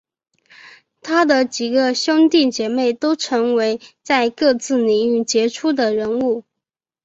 他的几个兄弟姐妹都成为在各自领域杰出的人物。